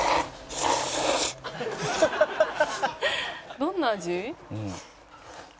「どんな味？」